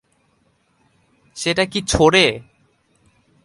সেটা কী ছোঁড়ে?